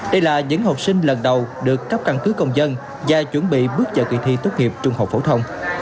đây là những học sinh lần đầu được cấp căn cứ công dân và chuẩn bị bước vào kỳ thi tốt nghiệp trung học phổ thông